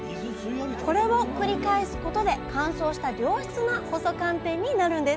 これを繰り返すことで乾燥した良質な細寒天になるんです